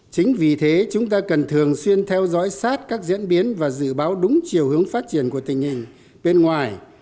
chính vì thế chúng ta cần thường xuyên theo dõi sát các diễn biến và dự báo đúng chiều hướng phát triển của tình hình bên ngoài